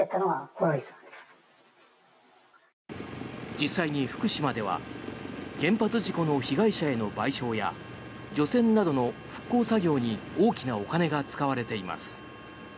実際に福島では原発事故の被害者への賠償や除染などの復興作業に大きなお金が使われています。